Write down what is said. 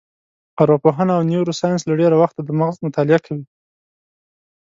ارواپوهنه او نیورو ساینس له ډېره وخته د مغز مطالعه کوي.